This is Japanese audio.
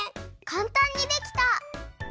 かんたんにできた！